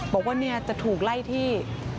บอกว่าเนี่ยจะถูกไล่ที่